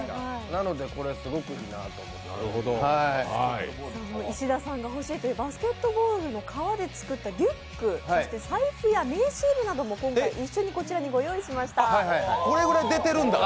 なので、これすごくいいなと思って石田さんが欲しいというバスケットボールの革で作ったリュック、そして財布や名刺入れなども今回一緒にご用意しました。